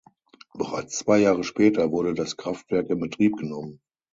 Bereits zwei Jahre später wurde das Kraftwerk in Betrieb genommen.